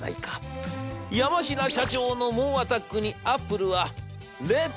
山科社長の猛アタックにアップルは」